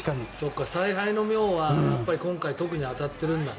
采配の妙は今回特に当たっているんだね。